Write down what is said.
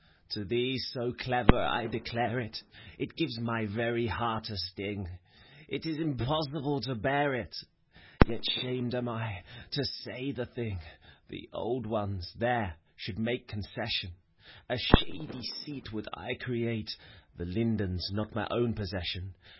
To thee, so clever, I declare it, — It gives my very heart a sting; It is impossible to bear it ! Yet shamed am I, to say the thing. The old ones, there, should make conoeflmon; A shady seat would I create :■ V 280 FAUST. The lindensi not my own possession.